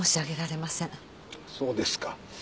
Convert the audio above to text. そうですか。